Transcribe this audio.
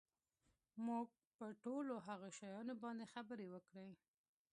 موږ پر ټولو هغو شیانو باندي خبري وکړې.